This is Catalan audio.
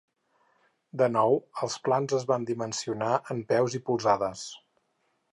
De nou, els plans es van dimensionar en peus i polzades.